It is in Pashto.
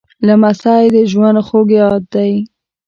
لمسی د ژوند خوږ یاد دی.